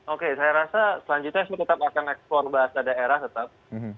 oke saya rasa selanjutnya saya tetap akan eksplor bahasa daerah tetap